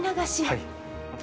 はい。